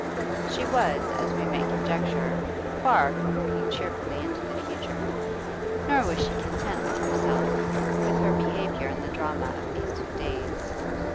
She F was, as we may conjecture, far from looking cheerfully into the future. Nor was she content with herself, with her behaviour in the drama of these two days.